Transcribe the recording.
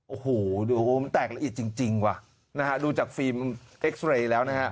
โอ้โหดูมันแตกละเอียดจริงว่ะนะฮะดูจากฟิล์มเอ็กซ์เรย์แล้วนะฮะ